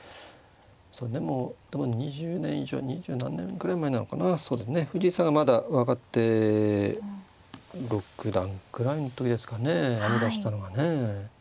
多分２０年以上二十何年ぐらい前になるのかなそうですね藤井さんがまだ若手六段くらいの時ですかね編み出したのがね。